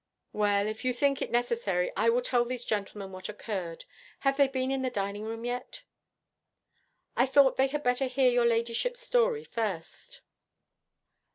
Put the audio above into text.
Well, if you think it necessary, I will tell these gentlemen what occurred. Have they been in the dining room yet?' 'I thought they had better hear your ladyship's story first.'